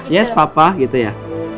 yes papa gitu ya